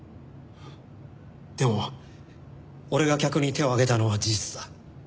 でも俺が客に手を上げたのは事実だ。